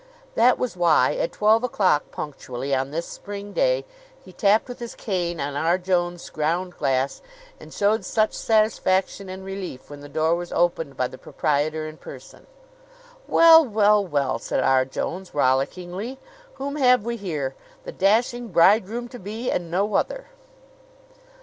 That was why, at twelve o'clock punctually on this Spring day, he tapped with his cane on R. Jones' ground glass, and showed such satisfaction and relief when the door was opened by the proprietor in person. "Well, well, well!" said R. Jones rollickingly. "Whom have we here? The dashing bridegroom to be, and no other!"